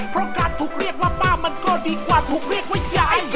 เพราะการถูกเรียกว่าป้ามันก็ดีกว่าถูกเรียกว่ายาย